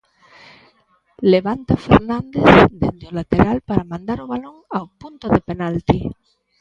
Levanta Fernández dende o lateral para mandar o balón ao punto de penalti.